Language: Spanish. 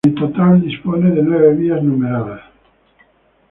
En total dispone de nueve vías numeradas.